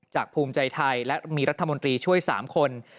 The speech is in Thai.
ภูมิใจไทยและมีรัฐมนตรีช่วย๓คน